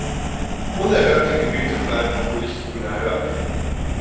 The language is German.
Unerhörte Gebete bleiben hoffentlich unerhört.